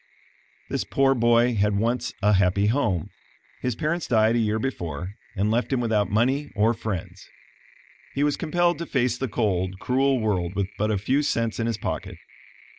"] This poor boy had once a happy home. His parents died a year before, and left him without money or friends. He was compelled to face the cold, cruel world with but a few cents in his pocket.